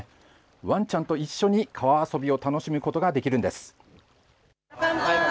ワンちゃんと一緒に川遊びを楽しむことができるんです。